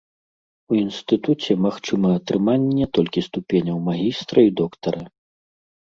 У інстытуце магчыма атрыманне толькі ступеняў магістра і доктара.